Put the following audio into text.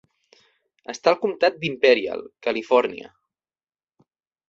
Està al comtat d'Imperial, Califòrnia.